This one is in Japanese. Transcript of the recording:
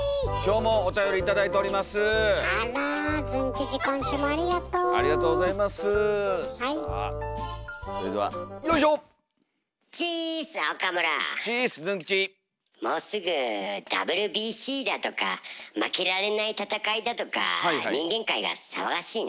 もうすぐＷＢＣだとか負けられない戦いだとか人間界が騒がしいな。